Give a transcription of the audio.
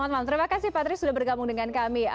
baik patri terima kasih patri sudah bergabung dengan kami